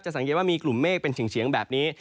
สังเกตว่ามีกลุ่มเมฆเป็นเฉียงแบบนี้